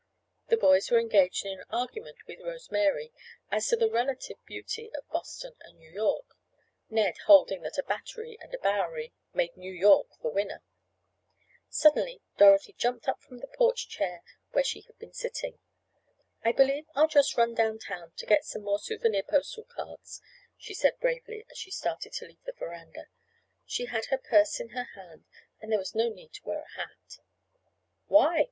The boys were engaged in an argument with Rose Mary, as to the relative beauty of Boston and New York, Ned holding that a Battery and a Bowery made New York the winner. Suddenly Dorothy jumped up from the porch chair where she had been sitting. "I believe I'll just run down town to get some more souvenir postal cards," she said bravely, as she started to leave the veranda. She had her purse in her hand, and there was no need to wear a hat. "Why?"